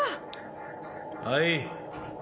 はい。